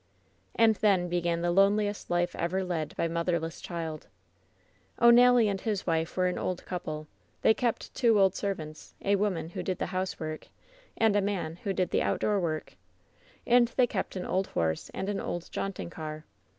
"And then began the loneliest life ever led by mother less child. "O'lSTally and his wife were an old couple. They kept two old servants — a woman, who did the house work ; and a man, who did the outdoor work. And they kept an old horse and an old jaunting car.